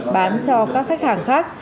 bán cho các khách hàng khác